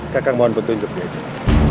kakang mohon betulin keberanian